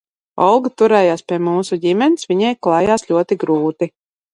Olga turējās pie mūsu ģimenes, viņai klājās ļoti grūti.